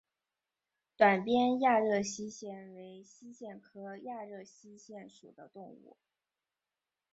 短鞭亚热溪蟹为溪蟹科亚热溪蟹属的动物。